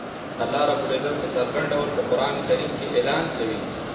الله رب العزت په څرګند ډول په قران کریم کی اعلان کوی